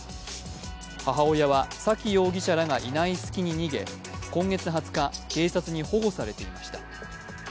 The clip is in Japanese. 母親は沙喜容疑者らがいない隙に逃げ、今月２０日、警察に保護されていました。